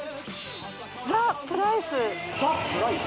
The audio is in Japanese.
ザ・プライス！